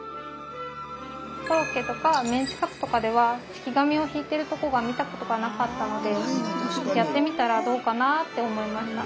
コロッケとかメンチカツとかでは敷き紙をひいてるとこが見たことがなかったのでやってみたらどうかなって思いました。